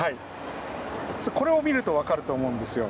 これを見ると分かると思うんですよ。